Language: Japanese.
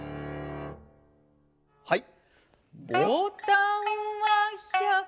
はい。